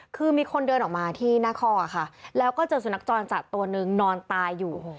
คือมีคนเดินออกมาที่หน้าคอค่ะแล้วก็เจอสุนัขจรจัดตัวนึงนอนตายอยู่